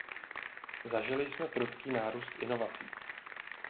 Zažili jsme prudký nárůst inovací.